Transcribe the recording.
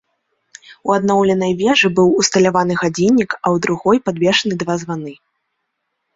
У адноўленай вежы быў усталяваны гадзіннік, а ў другой падвешаны два званы.